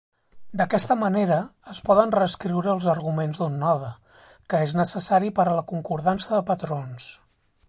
D'aquesta manera, es poden reescriure els arguments d'un node, que és necessari per a la concordança de patrons.